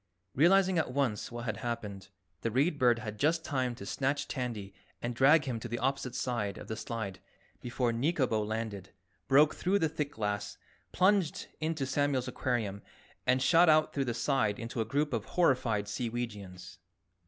Realizing at once what had happened, the Read Bird had just time to snatch Tandy and drag him to the opposite side of the slide before Nikobo landed broke through the thick glass, plunged into Samuel's aquarium and shot out through the side into a group of horrified Seeweegians.